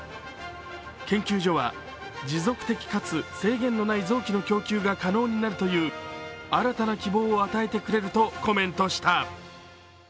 研究所は持続的かつ制限のない臓器の供給が可能になるという新たな希望を与えてくれるとコメントした。